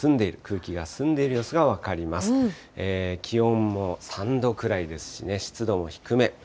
気温も３度くらいですしね、湿度も低め。